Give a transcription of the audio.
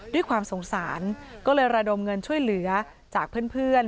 ด้วยความสงสารก็เลยระดมเงินช่วยเหลือจากเพื่อน